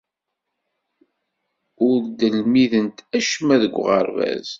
Ur d-lmident acemma deg uɣerbaz.